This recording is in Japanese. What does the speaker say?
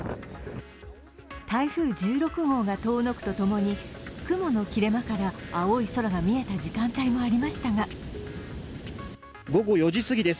台風１６号が遠のくとともに、雲の切れ間から青い空が見えた時間帯もありましたが午後４時すぎです。